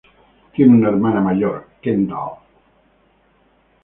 Tiene una hermana mayor, Kendall.